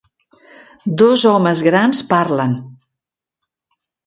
Dos homes grans parlen.